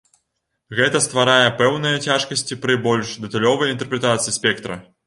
Гэта стварае пэўныя цяжкасці пры больш дэталёвай інтэрпрэтацыі спектра.